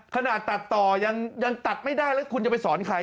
ขนาดตัดต่อยังตัดไม่ได้แล้วคุณจะไปสอนใคร